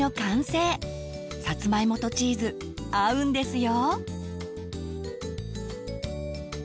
さつまいもとチーズ合うんですよ。